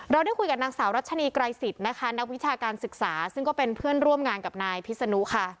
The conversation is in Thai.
ได้คุยกับนางสาวรัชนีไกรสิทธิ์นะคะนักวิชาการศึกษาซึ่งก็เป็นเพื่อนร่วมงานกับนายพิษนุค่ะ